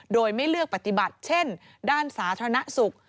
โดยไม่เลือกปฏิบัติเช่นด้านสาธารณสุข